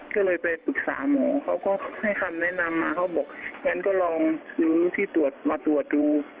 เขาก็แล้วก็ให้คันแนะนำมาเขาบอกอย่างงั้นก็ลองดูที่ตรวจมาตรวจดู